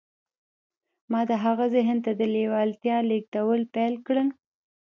ما د هغه ذهن ته د لېوالتیا لېږدول پیل کړل